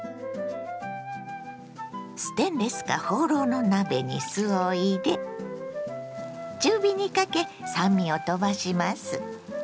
ステンレスかホウロウの鍋に酢を入れ中火にかけ酸味をとばします。